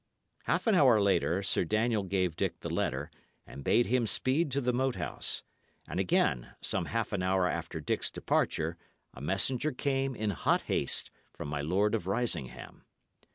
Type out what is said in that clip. Half an hour later, Sir Daniel gave Dick the letter, and bade him speed to the Moat House. And, again, some half an hour after Dick's departure, a messenger came, in hot haste, from my Lord of Risingham.